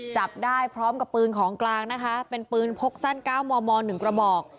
จับได้พร้อมกับปืนของกลางนะคะเป็นปืนพกสั้น๙มม๑กระบอก